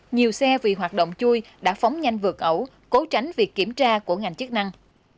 nhiều xe vì hoạt động chui đã phóng nhanh vượt ẩu cố tránh việc kiểm tra của ngành chức năng